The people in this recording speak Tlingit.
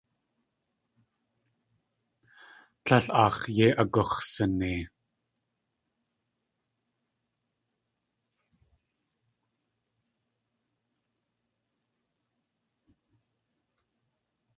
Tlél aax̲ yéi agux̲sanei.